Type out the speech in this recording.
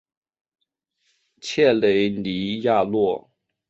切雷尼亚诺。